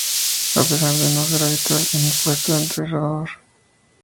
A pesar de que no ser habitual en el puesto de entrenador.